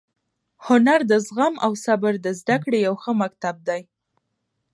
هنر د زغم او صبر د زده کړې یو ښه مکتب دی.